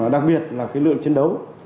đặc biệt là cái lượng chiến đấu